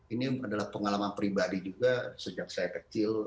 ini adalah pengalaman pribadi juga sejak saya kecil